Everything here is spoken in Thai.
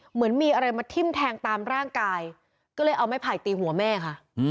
เหมือนมีอะไรมาทิ้มแทงตามร่างกายก็เลยเอาไม้ไผ่ตีหัวแม่ค่ะ